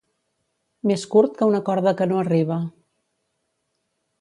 Més curt que una corda que no arriba.